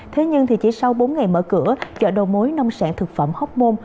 thế nhưng chỉ sau bốn ngày mở cửa chợ đầu mối nông sản thực phẩm hóc môn